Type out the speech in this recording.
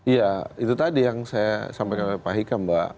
ya itu tadi yang saya sampaikan oleh pak hikam mbak